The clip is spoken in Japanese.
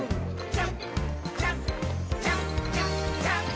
「ジャンプジャンプジャンプジャンプジャンプ」